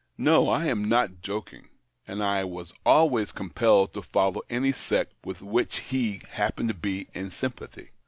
No, I am not joking. And I was always compelled to follow any sect with which he happened to be in sympathy.